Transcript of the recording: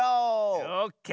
オッケー。